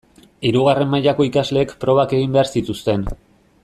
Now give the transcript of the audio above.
Hirugarren mailako ikasleek probak egin behar zituzten.